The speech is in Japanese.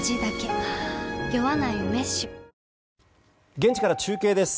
現地から中継です。